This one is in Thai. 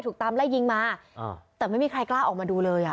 ตามไล่ยิงมาแต่ไม่มีใครกล้าออกมาดูเลยอ่ะ